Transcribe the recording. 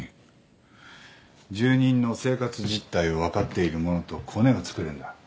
住人の生活実態を分かっている者とコネをつくるんだ。